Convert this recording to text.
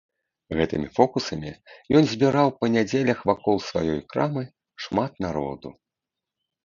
Гэтымі фокусамі ён збіраў па нядзелях вакол сваёй крамы шмат народу.